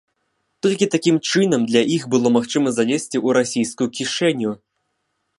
Толькі такім чынам для іх было магчыма залезці ў расійскую кішэню.